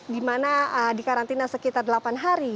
di mana dikarantina sekitar delapan hari